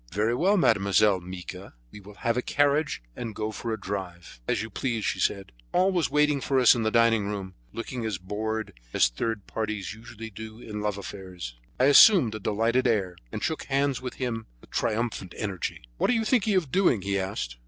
"Very well, Mademoiselle Mica, we will have a carriage and go for a drive." "As you please," she said. Paul was waiting for us in the dining room, looking as bored as third parties usually do in love affairs. I assumed a delighted air, and shook hands with him with triumphant energy. "What are you thinking of doing?" he asked.